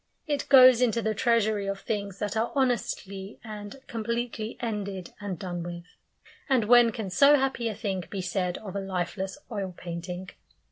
It goes into the treasury of things that are honestly and completely ended and done with. And when can so happy a thing be said of a lifeless oil painting?